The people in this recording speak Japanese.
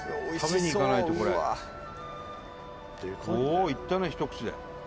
おおいったねひと口で。